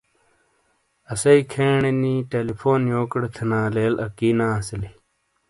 اَسیئ کھینی نی ٹیلیفون یو کیڑے تھینا لیل اَکی نے اَسیلی۔